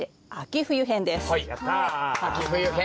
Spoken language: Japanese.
秋冬編。